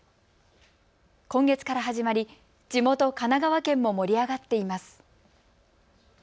今月から始まり地元、神奈川県も盛り上がっています。